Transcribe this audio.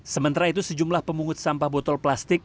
sementara itu sejumlah pemungut sampah botol plastik